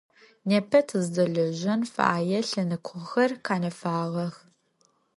Непэ тыздэлэжьэн фэе лъэныкъохэр къэнэфагъэх.